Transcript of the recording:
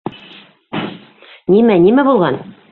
Нимә, нимә булған?